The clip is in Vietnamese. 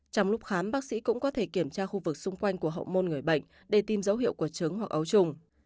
trong lúc khám bác sĩ cũng có thể kiểm tra khu vực xung quanh của hậu môn người bệnh để tìm dấu hiệu của trứng hoặc ấu trùng